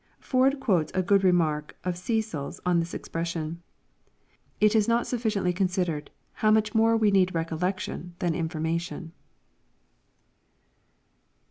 ] Ford quotes a good remark of Cecil's on this expression : "It is not sufficiently considered how much more we need recollection than information."